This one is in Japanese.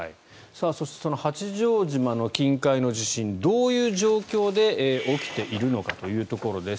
そしてその八丈島の近海の地震どういう状況で起きているのかというところです。